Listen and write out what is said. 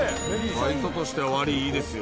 バイトとしては割りいいですよ。